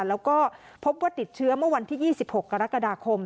แล้วก็พบว่าติดเชื้อเมื่อวันที่๒๖กรกฎาคม